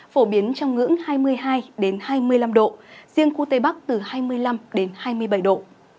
phổ biến trong ngưỡng hai mươi hai hai mươi năm độ riêng khu tây bắc từ hai mươi năm đến hai mươi bảy độ